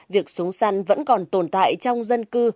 việc súng săn vẫn còn tồn tại trong dân cư